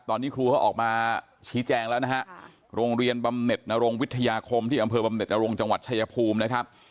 ตอนนี้ครูเขาออกมาชี้แจงแล้วนะฮะโรงเรียนบำเน็ตนรงวิทยาคมที่อำเภอบำเน็ตนรงจังหวัดชายภูมินะครับ